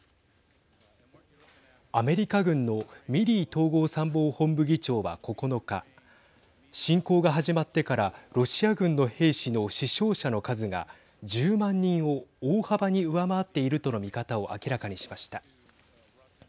アメリカ軍のミリー統合参謀本部議長は９日侵攻が始まってからロシア軍の兵士の死傷者の数が１０万人を大幅に上回っているとの見方を明らかにしました。